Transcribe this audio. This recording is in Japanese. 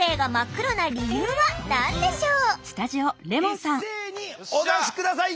さて一斉にお出し下さい。